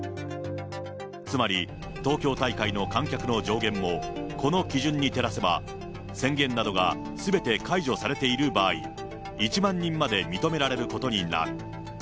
つまり東京大会の観客の上限も、この基準に照らせば、宣言などがすべて解除されている場合、１万人まで認められることになる。